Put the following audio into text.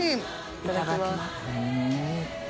いただきます。